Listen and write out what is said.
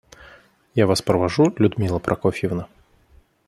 Я Вас провожу, Людмила Прокофьевна?